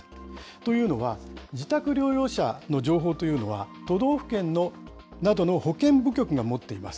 というのは、自宅療養者の情報というのは、都道府県などの保健部局が持っています。